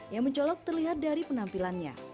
yang mencolok terlihat dari penampilannya